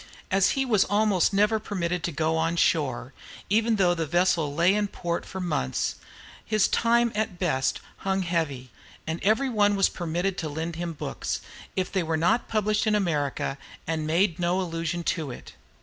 As he was almost never permitted to go on shore, even though the vessel lay in port for months, his time at the best hung heavy; and everybody was permitted to lend him books, if they were not published in America and made no allusion to it.